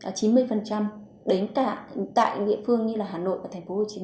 đến tại địa phương như là hà nội và tp hcm